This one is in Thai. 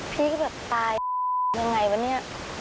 พี่ก็แบบตายเป็นอย่างไรวะนี่